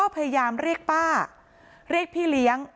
ป้าเรียกพี่เลี้ยง